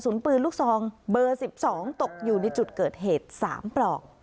ปืนลูกซองเบอร์๑๒ตกอยู่ในจุดเกิดเหตุ๓ปลอก